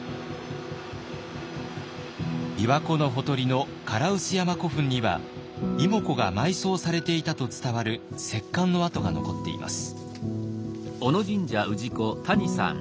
びわ湖のほとりの唐臼山古墳には妹子が埋葬されていたと伝わる石棺の跡が残っています。